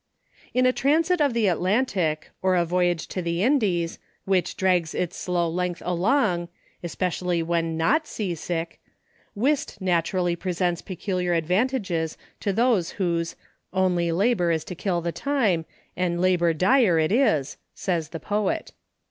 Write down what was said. In a transit of the Atlantic, or a voyage to the Indies, which " drags its slow length along" — especially when not sea sick — Whist naturally presents peculiar advantages to those whose " only labor is to kill the time, and labor dire it is," says the poet.